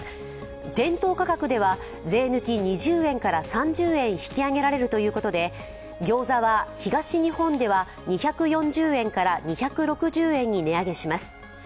店頭価格では、税抜き２０円から３０円引き上げられるということで餃子は、東日本では２４０円から２６０円に値上げします。